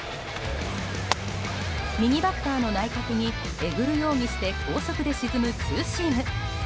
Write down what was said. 右バッターの内角にえぐるようにして高速で沈むツーシーム。